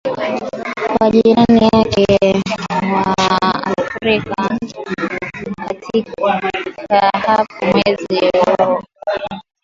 kwa jirani yake wa Afrika ya kati hapo mwezi Desemba